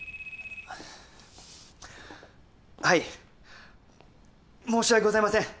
はい申し訳ございません